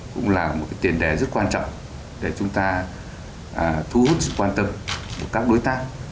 cũng là một tiền đề rất quan trọng để chúng ta thu hút sự quan tâm của các đối tác